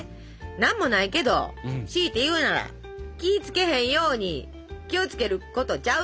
「なんもないけどしいて言うなら気いつけへんように気をつけることちゃう？」。